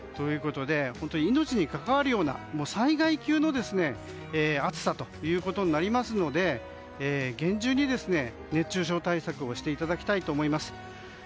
本当に命に関わるような災害級の暑さとなりますので厳重に熱中症対策をしていただきたいと思います。